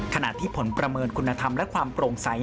ขณะที่ผลประเมินคุณธรรมและความโปร่งใส